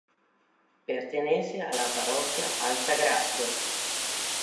Pertenece a la Parroquia Altagracia.